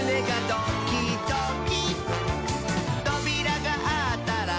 「とびらがあったら」